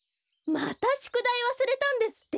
またしゅくだいわすれたんですって？